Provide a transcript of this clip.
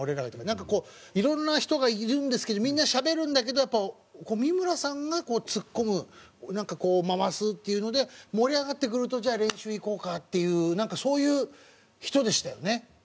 なんかこういろんな人がいるんですけどみんなしゃべるんだけどやっぱ三村さんがツッコむなんかこう回すっていうので盛り上がってくるとじゃあ練習いこうかっていうなんかそういう人でしたよね。